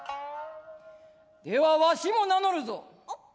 ではわしも名乗るぞ。